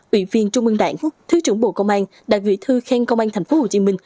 ủy viên trung ương đảng thứ trưởng bộ công an đại vị thư khen công an tp hcm